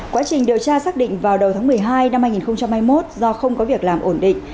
quá trình điều tra xác định vào đầu tháng một mươi hai năm hai nghìn hai mươi một do không có việc làm ổn định